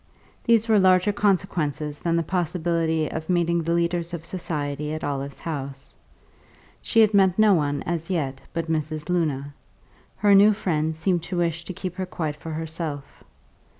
These were larger consequences than the possibility of meeting the leaders of society at Olive's house. She had met no one, as yet, but Mrs. Luna; her new friend seemed to wish to keep her quite for herself.